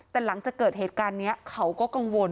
แต่หลังจากเกิดเหตุการณ์นี้เขาก็กังวล